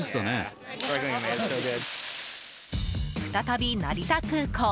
再び成田空港。